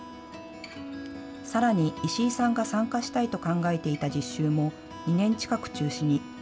さらに、石井さんが参加したいと考えていた実習も２年近く中止に。